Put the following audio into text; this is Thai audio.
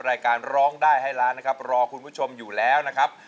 รายการร้องได้ให้ล้านนะครับรอคุณผู้ชมอยู่แล้วนะครับ